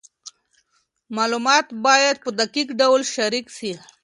معلومات باید په دقیق ډول شریک سي.